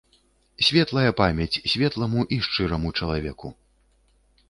Светлая памяць светламу і шчыраму чалавеку.